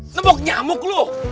tembok nyamuk lu